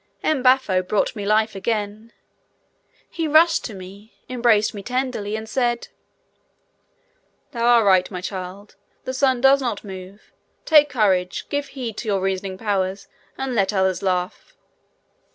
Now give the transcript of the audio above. M. Baffo brought me life again. He rushed to me, embraced me tenderly, and said, "Thou are right, my child. The sun does not move; take courage, give heed to your reasoning powers and let others laugh."